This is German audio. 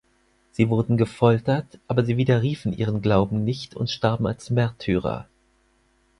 Sie wurden gefoltert, aber sie widerriefen ihren Glauben nicht und starben als Märtyrer.